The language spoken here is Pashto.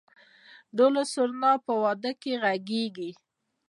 دهل او سرنا په واده کې غږیږي؟